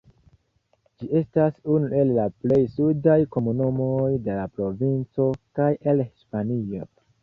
Ĝi estas unu el la plej sudaj komunumoj de la provinco kaj el Hispanio.